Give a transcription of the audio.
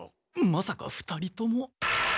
まさか２人とも？